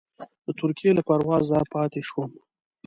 د ترکیې له پروازه پاتې شوم.